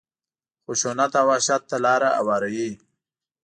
خشونت او وحشت ته لاره هواروي.